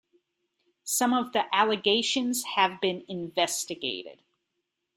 Some of the allegations have been investigated.